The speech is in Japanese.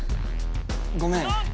ごめん